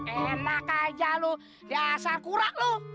enak aja lo dasar kurak lo